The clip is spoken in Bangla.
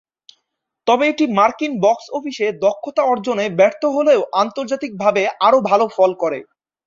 তবে এটি মার্কিন বক্স অফিসে দক্ষতা অর্জনে ব্যর্থ হলেও আন্তর্জাতিকভাবে আরও ভাল ফল করে।